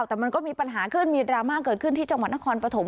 แต่มันก็มีปัญหาขึ้นมีดราม่าเกิดขึ้นที่จังหวัดนครปฐม